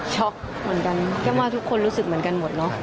ช็อคเหมือนกันกลับมาทุกคนรู้สึกเหมือนกันหมดเนาะ